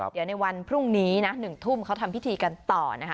เดี๋ยวในวันพรุ่งนี้นะ๑ทุ่มเขาทำพิธีกันต่อนะคะ